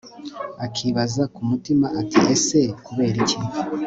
akibaza kumutima ati ese kukuberiki